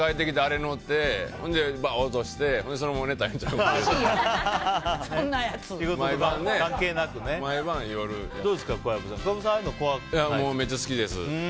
めっちゃ好きです。